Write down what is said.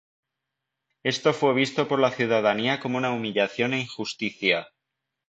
Esto fue visto por la ciudadanía como una humillación e injusticia.